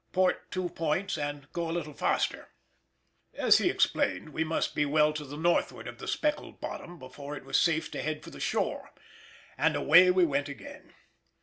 Port two points and go a little faster." As he explained, we must be well to the northward of the speckled bottom before it was safe to head for the shore, and away we went again.